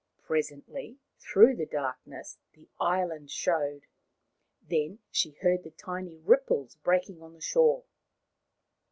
Presently, through the darkness, the island showed, then she heard the tiny ripples breaking on the shore.